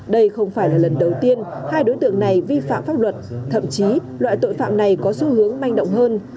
đây không phải là lần đầu tiên hai đối tượng này vi phạm pháp luật thậm chí loại tội phạm này có xu hướng manh động hơn